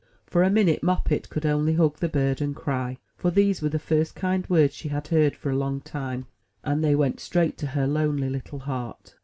For a minute. Moppet could only hug the bird, and cry; for these were the first kind words she had heard for a long time, and they went straight to her lonely little heart.